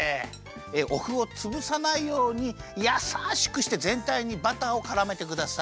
おふをつぶさないようにやさしくしてぜんたいにバターをからめてください。